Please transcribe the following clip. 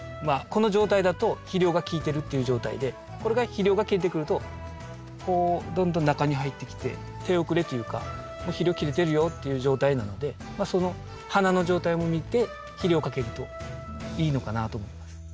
この状態だと肥料が効いてるっていう状態でこれが肥料が切れてくるとこうどんどん中に入ってきて手遅れというかもう肥料切れてるよっていう状態なのでその花の状態も見て肥料をかけるといいのかなと思います。